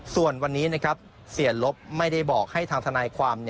ส่วนวันนี้เสียรบไม่ได้บอกให้ทางธนายความ